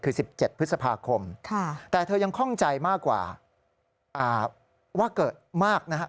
คือ๑๗พฤษภาคมแต่เธอยังคล่องใจมากกว่าว่าเกิดมากนะฮะ